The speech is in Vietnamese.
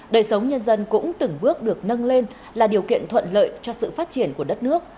đời sống nhân dân cũng từng bước được nâng lên là điều kiện thuận lợi cho sự phát triển của đất nước